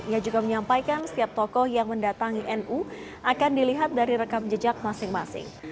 ia juga menyampaikan setiap tokoh yang mendatangi nu akan dilihat dari rekam jejak masing masing